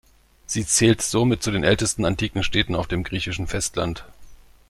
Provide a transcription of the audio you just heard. Sie zählt somit zu den ältesten antiken Städten auf dem griechischen Festland.